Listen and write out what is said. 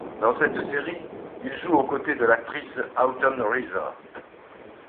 Dans cette série, il joue aux côtés de l'actrice Autumn Reeser.